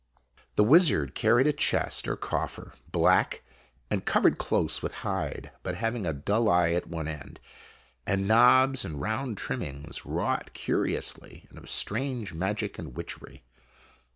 The wizard carried a chest or coffer, black, and covered close with hide, but having a dull eye at one end, and knobs and round trimmings, wrought curiously and of strange magic and witchery.